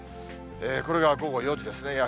これが午後４時ですね。